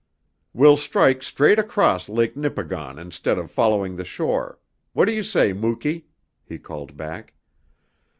"We'll strike straight across Lake Nipigon instead of following the shore. What do you say, Muky?" he called back.